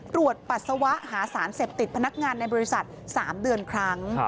ปัสสาวะหาสารเสพติดพนักงานในบริษัท๓เดือนครั้ง